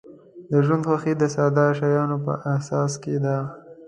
د ژوند خوښي د ساده شیانو په احساس کې ده.